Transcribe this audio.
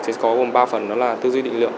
sẽ có gồm ba phần đó là tư duy định lượng